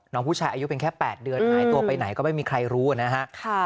น้องผู้ชายอายุเป็นแค่๘เดือนหายตัวไปไหนก็ไม่มีใครรู้นะฮะ